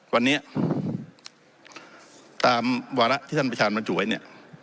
วันนี้ตามวาระที่ท่านประธานบรรจุไว้เนี่ย